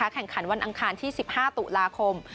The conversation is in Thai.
แข่งขันวันอังคารที่๑๕ตุลาคม